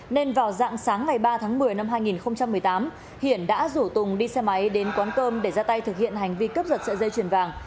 nên vào dạng sáng ngày ba tháng một mươi năm hai nghìn một mươi tám hiển đã rủ tùng đi xe máy đến quán cơm để ra tay thực hiện hành vi cướp giật sợi dây chuyền vàng